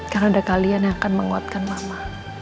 karena ada kalian yang akan menguatkan mama